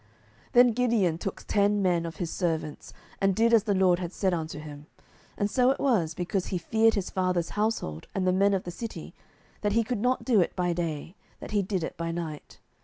07:006:027 Then Gideon took ten men of his servants, and did as the LORD had said unto him: and so it was, because he feared his father's household, and the men of the city, that he could not do it by day, that he did it by night.